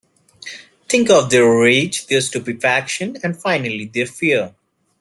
Think of their rage, their stupefaction, and finally their fear!